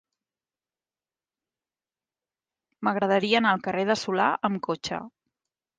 M'agradaria anar al carrer de Solà amb cotxe.